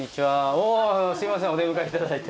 おすいませんお出迎え頂いて。